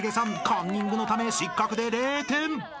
カンニングのため失格で０点］